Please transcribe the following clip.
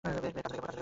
বেশ, কাজে লেগে পড়ো।